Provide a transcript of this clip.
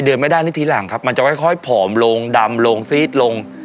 ไม่ได้นี่ทีหลังครับมันจะค่อยผอมลงดำลงซีดลง